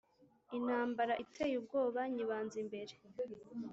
Intambara iteye ubwoba nyibanza imbere